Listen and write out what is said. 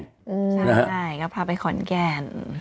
ใช่ก็พาไปขอนแก่น